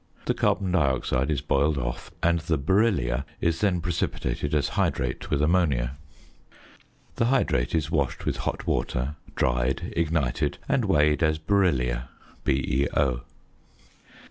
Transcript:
The carbon dioxide is boiled off, and the beryllia is then precipitated as hydrate with ammonia. The hydrate is washed with hot water, dried, ignited, and weighed as beryllia, BeO.